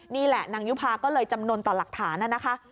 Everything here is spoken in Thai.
นี่แหละนางยุภาก็เลยจำนวนต่อหลักฐานนะคะ